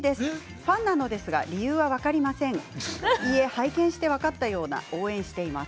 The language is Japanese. ファンなんですが理由は分かりませんいえ、拝見して分かったような応援しています。